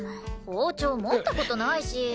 包丁持った事ないし。